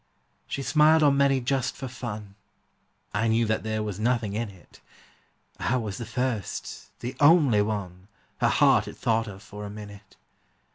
She smiled on many just for fun, I knew that there was nothing in it; I was the first, the only one, Her heart had thought of for a minute.